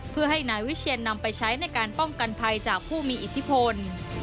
เพื่อให้นายวิเชียนนำไปใช้ในการป้องกันภัยจากผู้มีอิทธิพล